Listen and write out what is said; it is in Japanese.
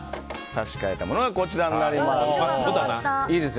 差し替えたものがこちらになります。